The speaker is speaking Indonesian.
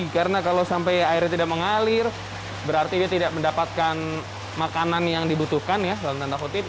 karena kalau sampai airnya tidak mengalir berarti dia tidak mendapatkan makanan yang dibutuhkan ya dalam tanda kutip